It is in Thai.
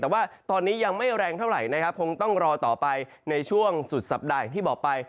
แต่ว่าตอนนี้ยังไม่แรงเท่าไหร่นะครับคงต้องรอต่อไปในช่วงสุดสัปดาห์อย่างที่บอกไป